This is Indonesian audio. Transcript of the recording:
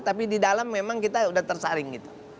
tapi di dalam memang kita sudah tersaring gitu